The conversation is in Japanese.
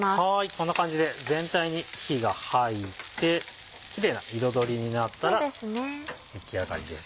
こんな感じで全体に火が入ってキレイな彩りになったら出来上がりです。